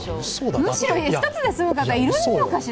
むしろ１つで済む方、いるのかしら？